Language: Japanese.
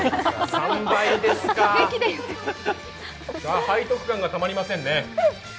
３倍ですか背徳感がたまりませんね。